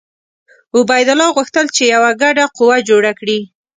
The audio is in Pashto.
عبیدالله غوښتل چې یوه ګډه قوه جوړه کړي.